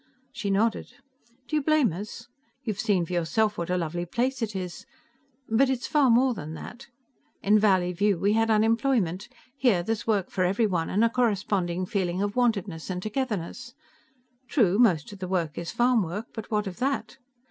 She nodded. "Do you blame us? You've seen for yourself what a lovely place it is. But it's far more than that. In Valleyview, we had unemployment. Here, there is work for everyone, and a corresponding feeling of wantedness and togetherness. True, most of the work is farmwork, but what of that?